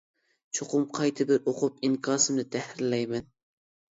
چوقۇم قايتا بىر ئوقۇپ ئىنكاسىمنى تەھرىرلەيمەن.